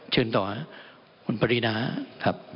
เชิญต่อคุณปรินาครับ